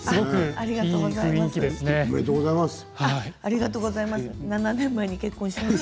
ありがとうございます。